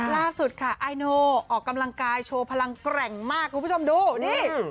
ล่าสุดค่ะไอโนออกกำลังกายโชว์พลังแกร่งมากคุณผู้ชมดูนี่